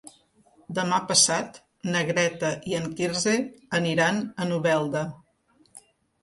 Demà passat na Greta i en Quirze aniran a Novelda.